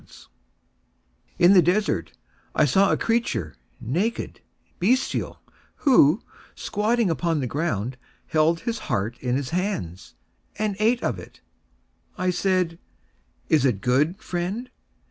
III In the desert I saw a creature, naked, bestial, who, squatting upon the ground, Held his heart in his hands, And ate of it. I said, "Is it good, friend?"